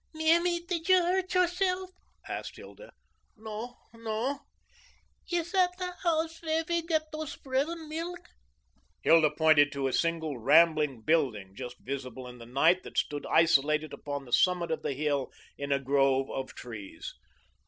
"Ach, Mammy, did you hurt yourself?" asked Hilda. "No, no." "Is that house where we get those bread'n milk?" Hilda pointed to a single rambling building just visible in the night, that stood isolated upon the summit of the hill in a grove of trees.